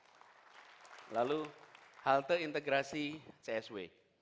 kemarin kita baru saja berbicara tentang halte integrasi csw